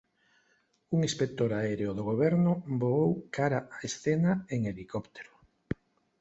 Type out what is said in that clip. Un inspector aéreo do goberno voou cara a escena en helicóptero.